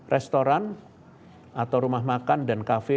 restoran atau rumah makan dan kafe